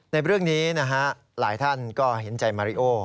ในเรื่องนี้นะฮะหลายท่านก็เห็นใจมาริโอ